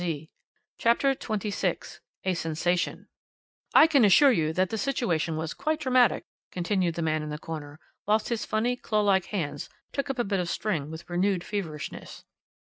CHAPTER XXVI A SENSATION "I can assure you that the situation was quite dramatic," continued the man in the corner, whilst his funny, claw like hands took up a bit of string with renewed feverishness.